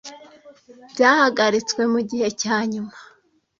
byahagaritswe mugihe cyanyuma.